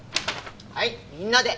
はいみんなで！